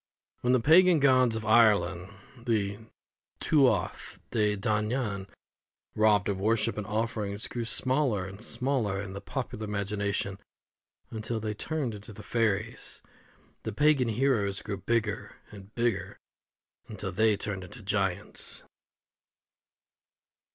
When the pagan gods of Ireland the Tuath De Danān robbed of worship and offerings, grew smaller and smaller in the popular imagination, until they turned into the fairies, the pagan heroes grew bigger and bigger, until they turned into the giants.